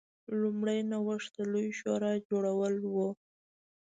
لومړنی نوښت د لویې شورا جوړول و